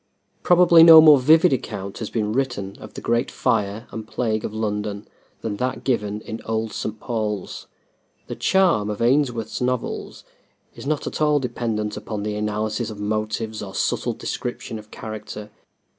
Probably no more vivid account has been written of the great fire and plague of London than that given in "Old St. Paul's." The charm of Ainsworth's novels is not at all dependent upon the analysis of motives or subtle description of character.